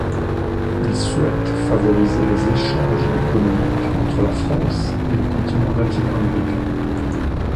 Il souhaite favoriser les échanges économiques entre la France et le continent latino-américain.